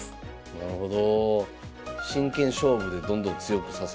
なるほど。